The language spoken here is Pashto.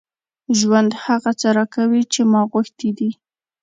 ژوند هغه څه راکوي چې ما غوښتي دي.